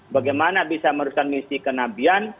bagaimana bisa merusak misi kenabian